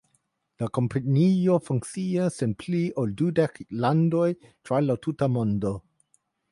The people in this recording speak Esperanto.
La kompanio funkcias en pli ol dudek landoj tra la tuta mondo.